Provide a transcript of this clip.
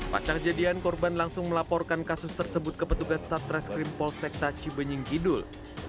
pas kejadian korban langsung melaporkan kasus tersebut ke petugas satres krim polsekta cibenying kidul